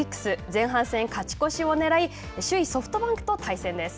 前半戦勝ち越しをねらい首位ソフトバンクと対戦です。